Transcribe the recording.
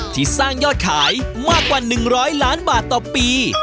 ที่สร้างยอดขายมากกว่า๑๐๐ล้านบาทต่อปี